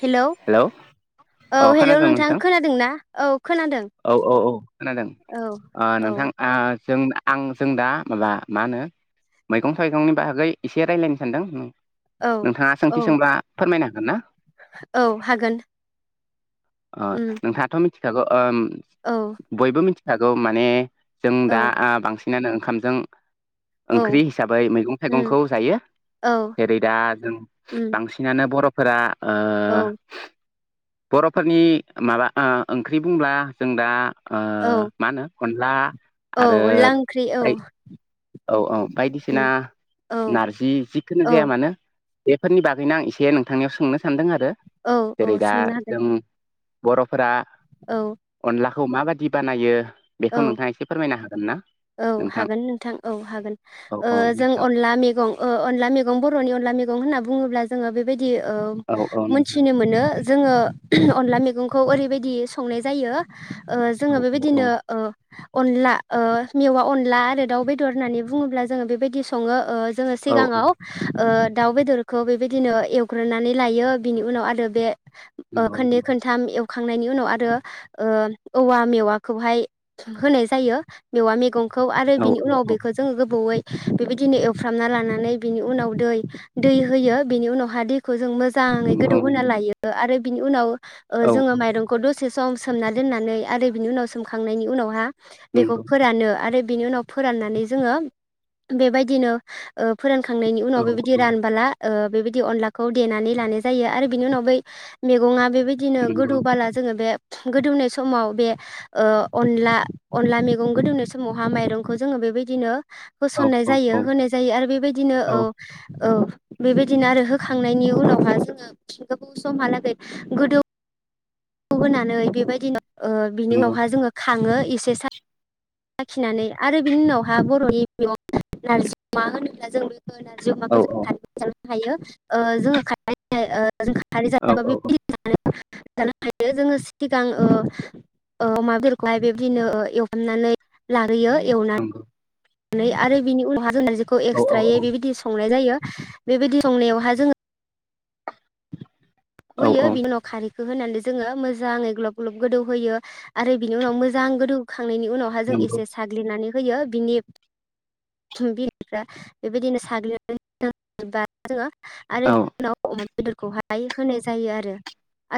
Hello औ अ hello खोनादों नोंथां खोनादोंना औ खोनादों औ औ औ खोनादों औ ओ औ नोंथां ओ जों आं जों दा माबा मा होनो मैगं थाइगंनि बागै एसे रायज्लायनो सानदों औ नोंथाङा औ सोंथि सोंब्ला फोरमायनो हागोनना? औ हागोन ओ उम नोंथाङाथ मिथिखागौ ओ औ बयबो मिथिखागौ माने जों औ दा ओ बांसिनानो ओंखामजों ओंख्रि औ हिसाबै मैगं उम थाइगंखौ जायो औ जेरै दा जों उम बांसिनानो बर' फोरा औ बर'फोरनि माबा ओंख्रि बुंब्ला जों दा ओ औ मा होनो अनला औ आरो अनला ओंख्रि औ ओइ औ औ बायदिसिना उम औ नारजि जिखुनो जाया औ मानो बेफोरनि बागैनो आं एसे नोंथांनियाव सोंनो सानदों आरो औ जेरै औ दा सोंनो हागोन जों बर'फोरा औ अनलाखौ माबादि बानायो बेखौ औ नोंथाङा एसे फोरमायनो हागोनना औ नोंथां? हागोन औ हागोन औ औ जों नोंथां अनला मैगं ओं अनला मैगं बरनि अनला मैगं होनोब्ला जों बेबायदि औ औ [unintelligible] नोंथां मोनथिनो मोनो ओ जोङो अनला मैगं खौ ओरैबायदि संनाय जायो ओ औ जोङो बेबायदिनो। औ ओ अनला ओ मेवा अनला आरो दाउ बेदर होननानै बुङोब्ला जोङो बेबायदि सङो ओ जोङो औ औ सिगाङाव ओ दाउ बेदरखौ बेबायदिनो एवग्रोनानै लायो बिनि उनाव आरो बे नंगौ खोनदै नंगौ खोनथाम एवखांनायनि उनाव आरो औवा मेवाखौहाय होनाय जायो मेवा मैगंखौ आरो औ बिनि उनाव औ बेखौ जोङो गोबावयै बेबायदिनो एवफ्रामना लानानै बिनि उनाव दै दै होयो बिनि उनावहााय दैखौ जों मोजां मोजाङै गोदौ होना नंगौ लायो आरो बिनि उनाव नंगौ औ जोङो माइरंखौ दसे से सम सोमनानै दोननानै आरो बिनि उनाव सोमखांनायनि उनावहा बेखौ नंगौ फोरानो आरो बिनि उनाव फोरनानै जों बेबायदिनो फोरान खांनायनि उनाव बेबायदि रानबोला बेबायदि अखौ देनानै लानाय जायो आरो बिनि उनाव बै मैगंआ बिदिनो गोदौला जोङो बे गोदौनाय समाव बे अनला अनला मैगं गोदुंनाय समावहा माइरंखौ जोङो बेबायदिनो औ होसन्नाय जायो होनाय जायो आरो बेबायदिनो औ नंगौ औ बेबायदिनो आरो होखांनायनि उनावहा जोङोथि गोबाव समहालागै गोदौ दौ होनानै बेबायदिनो बिनि उनावहााय जोङो खाङो एसे सा साखिनानै आरो बिनि उनावहा बर'नि नारजि अ मा होनोब्ला जों बेखौ नारजि अमाखौ औ जोङो खारैजों जाबाय थायो जोङो [unintelligible] जों औ औ औ खारै [unintelligible] [unintelligible] जोङो सिगां अमा बेदफोरखौहाय बेबायदिनो एवहामनानै ल लाग्रोयो नंगौ एवनानैनानै आरो बिनि उनाव जों नारजिखौ औ औ औ नंगौ औ एक्सट्रायै औ बेबायदि संनाय जायो बेबायदि संनायावहा जोङो होयो बिनि उनाव खारैखौ होनानै जोङो मोजाङै ग्लाब ग्लब गोदौ होयो आरो बिनि उनाव मोजां गोदौ खांनायनि उनावहााय जों नंगौ एसे साग्लिनानै होयो बिनि [unintelligible] बेबायदिनो साग्लिबा जोङो आरो औ उनाव अमा बेदरखौहाय होनाय जायो आरो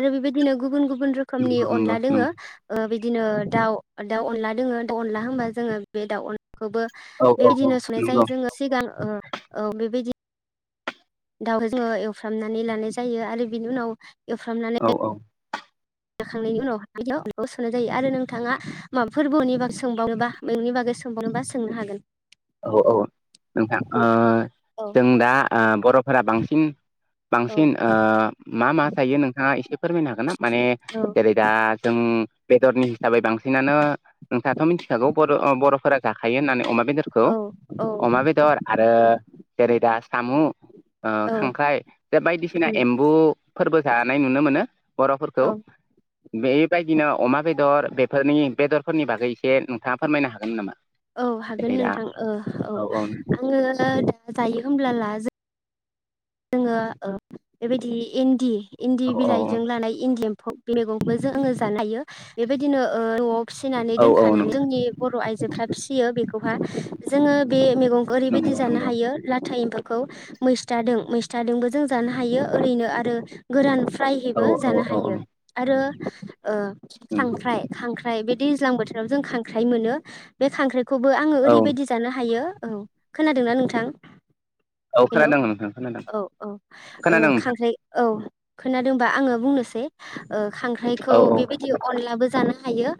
आरो बेबायदिनो गुबुन गुबुन गुब रोखनि नंगौ नंगौ अनला दोङो नंगौ बिदिनो दाउ दाउ अनला दोङो दाउ अनला होनबा जोङो बे दाउ अन खौबो औ औ औ बेबायदिनो सुनाय नंगौ जायो जोङो सिगां औ बेबायदि दाउखौ जोङो एवफ्रामनानै लानाय जायो आरो बिनि उनाव औ एवफ्रामनानै औ जाखांनायनि उनावयाव बेयाव सोननाय जायो आरो नोंथाङा माबा फोरबोनि बागै सोंबावनोबा नोंनि बागै सोंबावनोबा सोंनो हागोन औ औ नोंथां औ जों दा बर'फोरा बांसिन औ बांसिन मा मा जायो नोंथाङा एसे फोरमायनो हागोन ना माने औ जेरै दा जों बेदरनि हिसाबै बांसिनानो नोंथाथ' मिथिखागौ बर' बर'फोरा जाखायो होननानै अमा बेदर खौ औ औ अमा बेदर आरो जेरै दा सामु' औ खांख्राइ बे बायदिसिना उम एम्बुफोरबो जानाय नुनो मोनो बर'फोरखौ औ बेबायदिनो अमा बेदर बेफोरनि बेदरफोरनि बागै एसे नोंथाङा फोरमायनो हागोन नामा औ जेरै हागोन दा नोंथां औ आङो दा जायो होमब्ला ला जों जोङो बेबायदि इन्दि इन्दि औ औ बिलाइजों लानाय इन्दि मैगंबो जों आङो जानो हायो बेबायदिनो न'आव फिसिनानै औ औ दोनखानानै नंगौ जोंनि बर' आइजोफ्रा फिसियो बेखौहा जोङो बे मैगंखौ ओरैबायदि नंगौ जानो नंगौ हायो लाथा एम्फाखौ मैस्थादों मैस्थादोंबो जों जानो हायो ओरैनो आरो गोरान औ फ्रायहैबो औ जानो औ हायो आरो नंगौ खांख्राइ खांख्राइ बिदि दैज्लां बोथोराव जों खांख्राइ मोनो बे खांख्राइखौबो आङो औ ओरैबायदि जानो हायो औ खोनादोंना नोंथां औ हेलौ खोनादों नोंथां खोनादों औ औ खोनादों नोंथां खांख्राइ औ खोनादोंबा आङो बुंनोसै औ खांख्राइखौ बेबायदि अनलाबो जानो हायो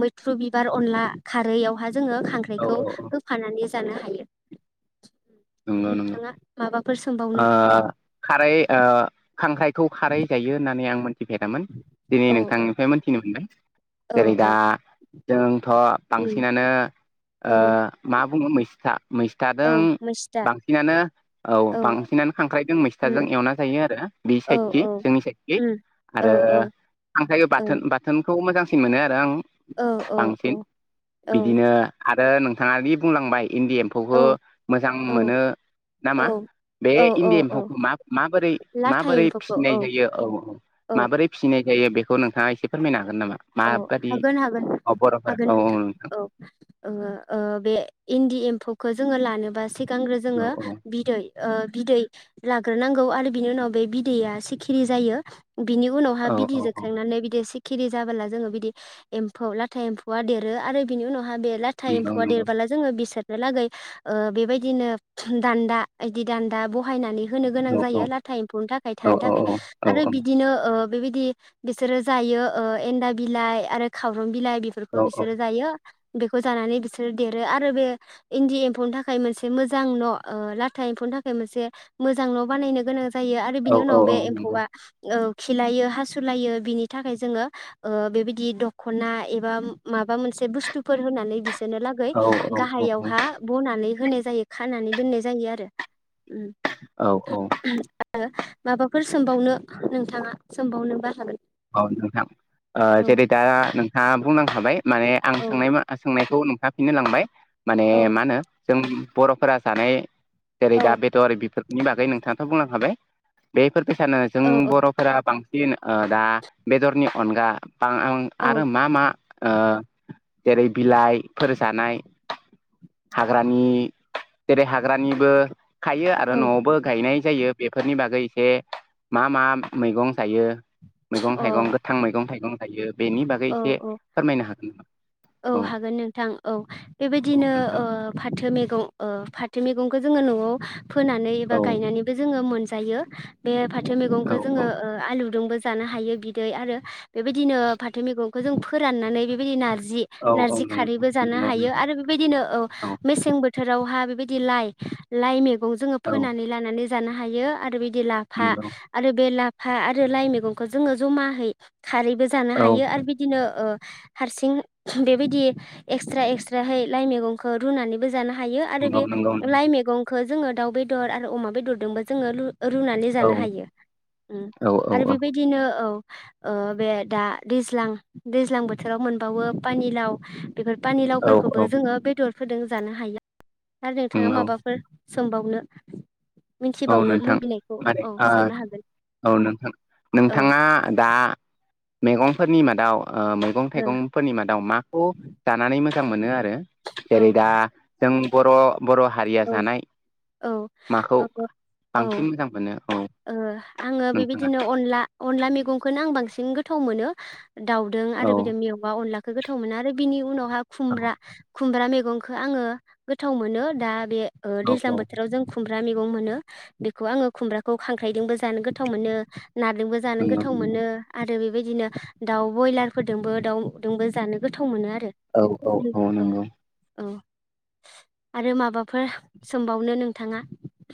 मैथ्रु बिबार अनला खारैआवहााय जोङो औ खांख्राइखौ औ होफानानै जानो हायो नंगौ नंगौ नोंथाङा माबाफोर सोंबावनो खारै ओ खांख्राइखौ खारै जायो होननानै आं मोन थिफेरदामोन दिनै औ औ नोंथांनिफ्राय मोनथिनो मोनदों। औ जेरै दा औ जोंथ' उम बांसिनानो ओ औ मा बुङो मैस्था औ मैस्थादों मैस्था बांसिनानो औ बांसिनानो खांख्राइजों मैस्थाजों उम एवना जायो आरो बे औ साइडखि औ जोंनि साइद उम औ आरो औ खांनाय औ बाथोन बाथोन खौ मोजांसिन मोनो आरो आं औ औ बांसिन औ बिदिनो आरो नोंथाङा दि बुंलांबाय इन्दि एम्फौखौ मोजां मोनो नामा औ बे औ औ इण्डि औ एम्फौखौ मा-माबोरै लाथा माबोरै एम्फौखौ फिसिनाय जायो औ औ औ माबोरै फिसिनाय जायो। जायो बेखौ नोंङा एसे फोरमायनो हागोन। नामा औ माबादि हागोन हागोन। औ बर'फोरा हागोन औ औ नोंथां औ‌ ओ बे इन्दि एम्फौ खौ जोङो लानोबा सिगांग्रो औ जोङो औ बिदै ओ बिदै लाग्रोनांगौ आरो बिनि उनाव बे बिदैया सिखिरि जायो। बिनि उनावहााय औ बिदै औ औ जोखांनानै बिदि सिखिरि जाबोला जोङो बिदि एम्फौ लाथा एम्फौआ देरो आरो बिनि उनाव आहा बे लाथा नंगौ एम्फौआ नंगौ देरबोला जोङो बिसो लागै ओ बेबायदिनो दान्दा बिदि दान्दा बहायनानै होनो गोनां जायो औ लाथा एम्फौनि थाखाय औ थानो औ थाखाय औ आरो बिदिनो ओ बेबायदि बिसोरो जायो ओ एन्दा बिलाइ आरो खारं बिलाइ बेफोरखौ बिसोरो जायो। बेखौ जानानै बिसोरो देरो आरो बे इन्दि एम्फौनि थाखाय मोनसे मोजां न' ओ लाथा एम्फौ थाखाय मोनसे मोजां न' बानायनो गोनां जायो आरो औ बिनि औ उनाव औ बे नंगौ एम्फौआ औ‌ खिलायो हासुलायो बिनि थाखाय जोङो। ओ बेबायदि दखना एबा माबा मोनसे बुस्थुफोर होनानै बिसोर नो लागै औ औ गाहायावहा बनानै होनाय जायो खानानै दोननाय जायो आरो। औ औ आरो माबाफोर सोंबावनो नोंथाङा सोंबावनो बा हागोन। औ नोंथां ओ औ जेरै दा नोंथाङा बुंनांखाबाय माने आं औ सोंनाय मा सोंनाय खौ नुफाफिननो लांबाय माने औ मा होनो जों बर'फोरा जानाय जेरै दा औ बेट'रारि बेफोरनि बागै नोंथाङाथ' बुंलांखाबाय बे फोरबायसानो जों औ बर'फोरा बांसिन ओ‌ दा बेदरनि अनगा बा औ आरो मा मा ओ जेरै बिलाइफोर जानाय हाग्रानि जेरै हाग्रानिबो खायो आरो औ न'आवबो गायनाय जायो बेफोरनि बागै एसे मा मा मैगं जायो मैगं अ थाइगं गोथां मैगं थाइगं थायो बेनि बागै औ एसे औ फोरमायनो हागोन। [inaudible] औ हागोन नोंथां औ औ बेबायदिनो नोंथां ओ फाथो मैगं ओ फाथो मैगं जोंङो न'आव फोनानै बा औ गायनानैबो जोंङो मोनजायो बे फा थो मैगंखौ औ जोङो ओ आलुजोंबो जानो हायो बिदै आरो बेबायदिनो फाथो मैगंखौ जों फोराननानै बेबायदि नारजि औ औ नारजि नंगौ खारैबो जानो नंगौ हायो नंगौ आरो बेबादिनो औ मेसें बो थोरावहा बेबायदि लाइ लाइ मैगं जोङो औ फोनानै लानानै जानो हायो आरो बे लाफा नंगौ आरो बे लाफा आरो लाइ मैगंखो जोङो जमाहै खारैबो जा औ हायो आरो बिदिनो ओ हारसिं बेबायदि एक्सट्रा एक्सट्राहै लाइ मैगंखौ रुनानैबो ज जानो हायो आरो नंगौ बे नंगौ लाइ नंगौ मैगंखो जोङो दाउ बेदर आरो अमा बेदरजोंबो जोङो रुनानै औ जानो हायो औ आरो बेबायदिनो औ ओ बे दा दैज्लां दैज्लां बोथोराव मोनबावो पानिलाव बेफोर औ पानिलावफोरखौबो औ जोङो बेदर फोदों जानो हाय [unintelligible] नोंथाङा नंगौ माबाफोर सोमबावनो औ मिथिबावनो नोंथां लुबैनायखौ माने औ ओ सोंनो हागोन। औ नोंथां औ नोंथाङा दा मैगंफोरनि मादाव ओ मैगं ओ थाइगंफोरनि मादाव माखौ जानानै मोजां मोनो आरो आरो औ जेरै दा जों बर' बर' हारिया औ जानाय औ माखौ [unintelligible] औ ओ बांसिन मोजां मोनो औ आङो नोंथाङा बेबायदिनो अनला अनला मेगंखौनो [unintelligible] बांसिन गोथाव मोन दाउदों आरो औ बिदों मेवा अनलाखौ गोथाव मोनो आरो बिनि उनाव [unintelligible] औ खुमब्रा खुमब्रा मेगंखौ आङो गोथाव मोनो दा बे ओ दैज्लां बोथोराव जों खुमब्रा मेगं मोनो बेखौ आङो खुमब्राखौ खांख्रायदोंबो जानो गोथाव मोनो नाजोबो जानो नंगौ गोथाव नंगौ मोनो आरो बिबायदिनो दाव बयलार फोरदोंबो दाउदोंबो जानो गोथाव मोनो आरो औ औ औ नंगौ औ आरो माबाफोर सोमबावनो नोंथाङा?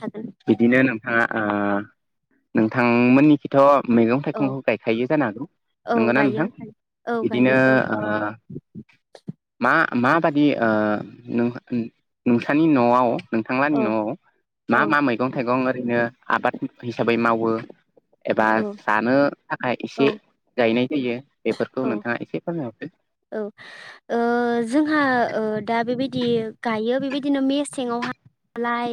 हागोन बिदिनो नोंथाङा ओ नोंथांमोननिखिथ' मैगं औ थाइगंखौ गायखायो जानो हागौ औ नंगौ ना गायो नोंथां? औ बिदिनो गायो औ ओ मा माबादि ओ नों नोंसानि न'आव औ नोंथांलानि न'आव मा औ मा मैगं थाइगं ओरैनो आबाद हिसाबै मावो? एबा औ जानो थाखाय इसे औ गायनाय होयो बेफोरखौ औ नोंथाङा एसे फोरमायहरदो औ ओ जोंहा ओ दा बेबायदि गायो बेबायदिनो मेसेंआव हाय लाइ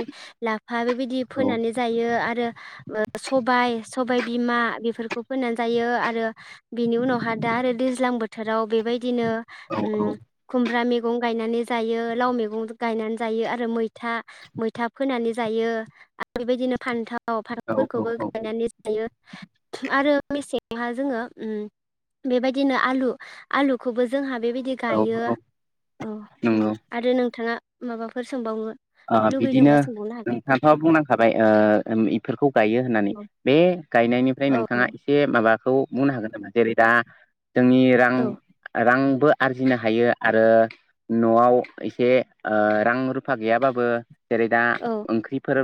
लाफा बेबायदि फोनानै जायो आर सबाय सबाय बिमा बेफोरखौ फोननानै जायो आरो बिनि उनावहाय दा आरो दैज्लां बोथोराव बेबायदिनो औ ओ खुमब्रा मे मेगं गायनानै जायो लाव मेगं गायनानै जायो आरो मैथा मैथा फोनानै जायो आरो बेबायदिनो फान्थाव औ फान्थावफोरखौबो औ गायनानै जायो आरो मेसेङावहाय जोङो उम बेबादिनो आलु आलुखौबो जोंहा बेबायदि औ गायो औ औ उम नंगौ आरो नोंथाङा माबाफोर सोंबावनो? ओ लुगैदोंबा बिदिनो सोंबावनो हागोन नोंथाङाथ' बुंनांखाबाय ओ इफोरखौ गायो होननानै औ बे गायनायनिफ्राय औ नोंथाङा इसे माबाखौ बुंनो हागोन नामा जेरै दा जोंनि रां औ औ रांबो आरजिनो हायो आरो न'आव इसे ओ रां रुफा गैयाबाबो जेरै दा ओंख्रिफोर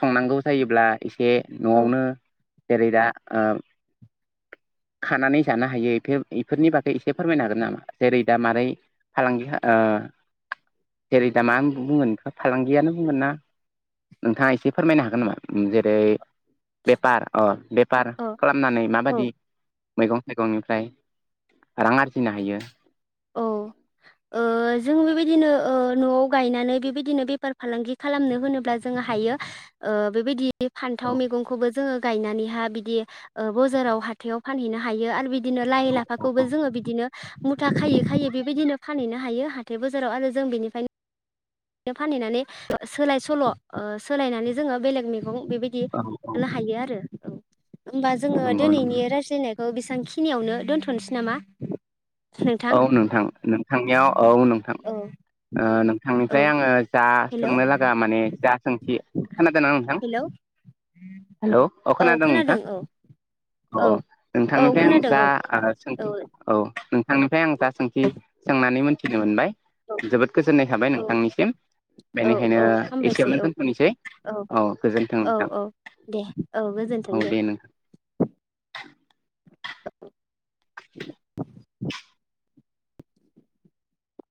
संनांगौ जायोब्ला इसे औ न'आवनो जेरै दा ओ खानानै जानो हायो बेफोर इफोरनि बागै इसे फोरमायनो हागोन नामा जेरै दा मारै फालांगि ओ जेरै दामा [unintelligible] फालांगियानो बुंगोन ना नोंथाङा इसे फोरमायनो हागोन नामा? जेरै बेफार अ बेफार खालामनानै औ माबादि मैगं थाइगंनिफ्राय रां आरजिनो हायो? औ ओ जों बेबा दिनो ओ न'आव गायनानै बेबायदिनो बेफार फालांगि खालामनो होनोब्ला जों हायो ओ बेबादि बे औ फान्थाव मैगंखौबो जोङो गायनानैहा बिदि ओ बजाराव हाथायाव फानहैनो हायो आरो बिद बिदिनो लाइ औ लाफाखौबो जोङो बिदिनो मु था खायै खायै बेबायदिनो फानहैनो हायो हाथाय बाजाराव आरो जों बेनिफ्रायनो [unintelligible] फानहैनानै सोलाय सोल' ओ सोलायनानै जोङो बेलेग मे गं बेबादि औ हायो आरो औ। होमबा जोङो नंगौ नंगौ दिनैनि रायज्लायनायखौ बिसां खिनियावनो दोन्थ'नोसै नामा? औ नोंथां नोंथांनियाव औ नोंथां औ ओ नोंथांनि औ ओमफ्राय आङो जा हेलौ सोंनो लागा माने जा सोंथि खोनादोंना नोंथां हेलौ हेल' अ औ खोनोदों खोनादों नोंथाङा? औ अ औ औ नोंथांनिफ्राय आं खोनादों जा औ ओ औ सोंथि औ ओमफ्राय आं दा सोंथि सोंनानै मोनथिनो मोनबाय औ जोबोद गोजोननाय थाबाय औ नोंथांनिसिम। औ बेनिखायनो औ हामबायसै एसेयावनो औ दोनथ'नोसै औ गोजोनथों औ नोंथां। औ दे औ औ गोजोनथों दे। नों